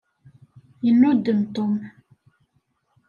Yennudem Tom.